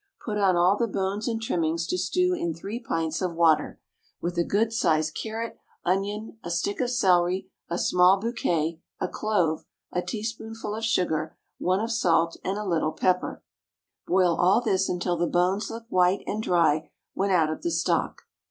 Put on all the bones and trimmings to stew in three pints of water, with a good sized carrot, onion, a stick of celery, a small bouquet, a clove, a teaspoonful of sugar, one of salt, and a little pepper; boil all this until the bones look white and dry when out of the stock.